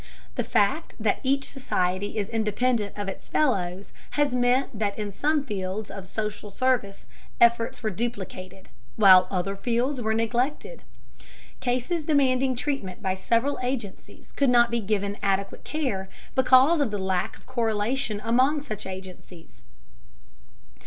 The fact that each society is independent of its fellows has meant that in some fields of social service efforts were duplicated, while other fields were neglected. Cases demanding treatment by several agencies could not be given adequate care because of the lack of correlation among such agencies.